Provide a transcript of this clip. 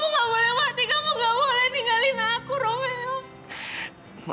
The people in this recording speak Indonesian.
kamu gak boleh mati kamu gak boleh ninggalin aku royong